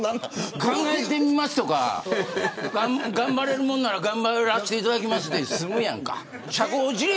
考えてみますとか頑張れるものなら頑張らせていただきますで済むやんか。